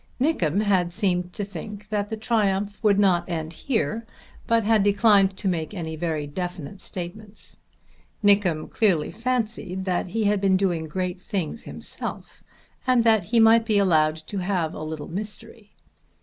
Nickem had seemed to think that the triumph would not end here, but had declined to make any very definite statements. Nickem clearly fancied that he had been doing great things himself, and that he might be allowed to have a little mystery.